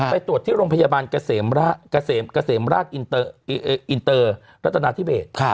ไปตรวจที่โรงพยาบาลเกษมเกษมราชอินเตอร์รัตนาธิเบส